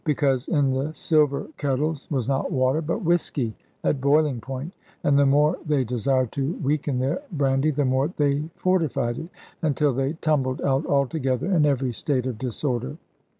Because, in the silver kettles was not water, but whisky at boiling point, and the more they desired to weaken their brandy, the more they fortified it: until they tumbled out altogether, in every state of disorder.